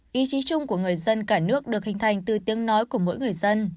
ý chí chung của người dân cả nước được hình thành từ tiếng nói của mỗi người dân